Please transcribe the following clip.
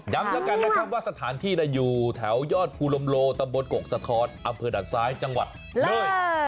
แล้วกันนะครับว่าสถานที่อยู่แถวยอดภูลมโลตำบลกกสะท้อนอำเภอด่านซ้ายจังหวัดเลย